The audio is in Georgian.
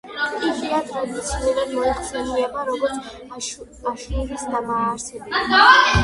კიკია ტრადიციულად მოიხსენიება როგორც აშურის დამაარსებელი.